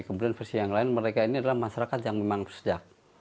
kemudian versi yang lain mereka ini adalah masyarakat yang memang sejak